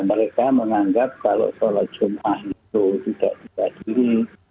mereka menganggap kalau sholat jumat itu tidak dihadiri